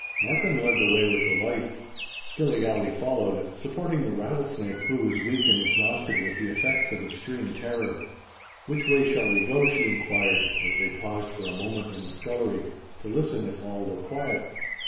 Markham led the way with the light: Skilligalee followed, supporting the Rattlesnake, who was weak and exhausted with the effects of extreme terror. "Which way shall we go?" she inquired, as they paused for a moment in the scullery, to listen if all were quiet.